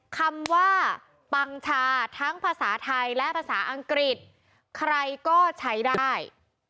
คำว่าปังชาทั้งภาษาไทยและภาษาอังกฤษใครก็ใช้ได้